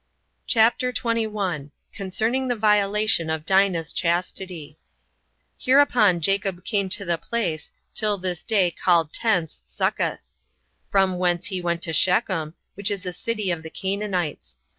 CHAPTER 21. Concerning The Violation Of Dina's Chastity. 1. Hereupon Jacob came to the place, till this day called Tents [Succoth]; from whence he went to Shechem, which is a city of the Canaanites.